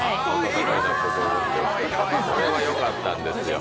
これもよかったんですよ。